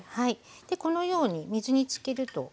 でこのように水につけると。